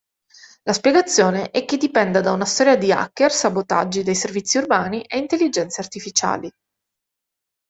La spiegazione è che dipenda da una storia di hacker, sabotaggi dei servizi urbani e intelligenze artificiali.